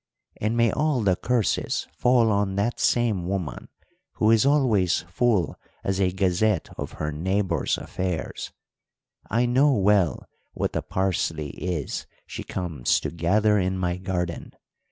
'And may all the curses fall on that same woman, who is always full as a gazette of her neighbours' affairs! I know well what the parsley is she comes to gather in my garden.